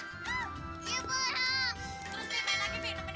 cep bhaiuiyya moh kaya apa buat dis tas kaga